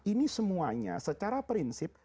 ini semuanya secara prinsip